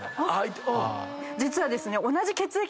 実はですね。